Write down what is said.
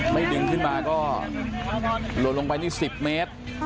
ไม่ดึงขึ้นมาก็หล่นลงไปนี่๑๐เมตร